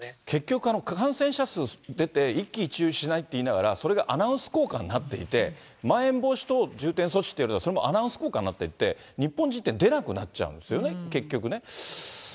結局、感染者数出て、一喜一憂しないっていいながら、それがアナウンス効果になっていて、まん延防止等重点措置というよりは、アナウンス効果になっていて、日本人って出なくなっちゃうんですよね、結局ね。